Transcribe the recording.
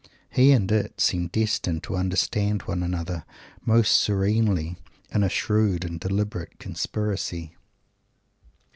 He and It seemed destined to understand one another most serenely, in a shrewd and deliberate conspiracy!